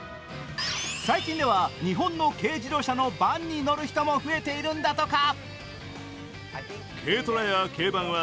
最近では日本の軽自動車のバンに乗る人も増えているんだとか。